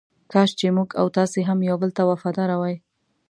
کاش چې موږ او تاسې هم یو بل ته وفاداره وای.